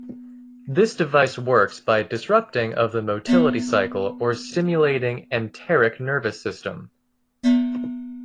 This device works by disrupting of the motility cycle or stimulating enteric nervous system.